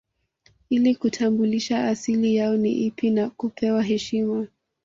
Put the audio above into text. Ili kutambulisha asili yao ni ipi na kupewa heshima